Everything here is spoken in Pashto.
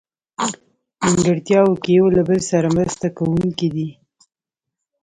نیمګړتیاوو کې یو له بله سره مرسته کوونکي دي.